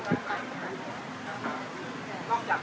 สวัสดีครับ